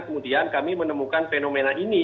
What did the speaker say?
kemudian kami menemukan fenomena ini